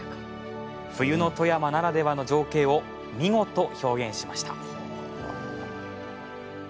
冬の富山ならではの情景を見事、表現しました。